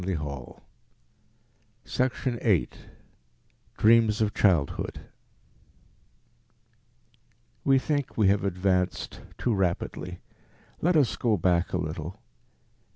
EIGHTH LECTURE THE DREAM Dreams of Childhood We think we have advanced too rapidly. Let us go back a little.